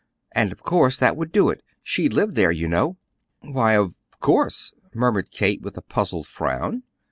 And of course that would do it. She'd live there, you know." "Why, of course," murmured Kate, with a puzzled frown.